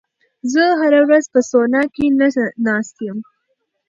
زه هره ورځ په سونا کې نه ناست یم.